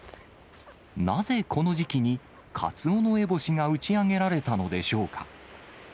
なぜ、この時期にカツオノエボシが打ち上げられたのでしょうか。